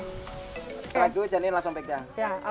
tidak ada perasaan langsung pegang